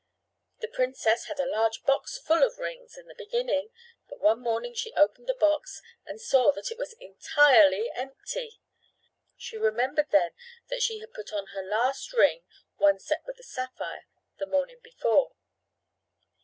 The princess had a large box full of rings, in the beginning, but one morning she opened the box and saw that it was entirely empty. She remembered then that she had put on her last ring, one set with a sapphire, the morning before.